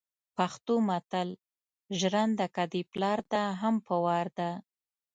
پښتو متل ژرنده که دپلار ده هم په وار ده